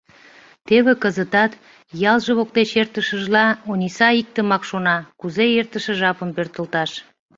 Теве кызытат, ялже воктеч эртышыжла, Ониса иктымак шона: «Кузе эртыше жапым пӧртылташ?